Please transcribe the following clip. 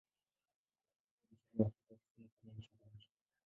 ukumbi wa michezo wa Afrika Kusini kama mchoraji.